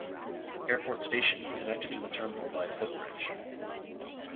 Airport Station, connected to the terminal by a footbridge.